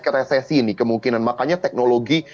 ke resesi ini kemungkinan makanya teknologi